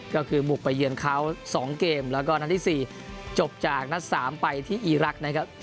ก็คือบุกไปเยือนเขา๒เกมแล้วก็นัดที่๔จบจากนัด๓ไปที่อีรักษ์นะครับ